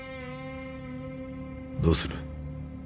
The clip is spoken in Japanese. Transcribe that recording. どうする？